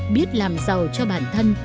biết làm giàu cho bản thân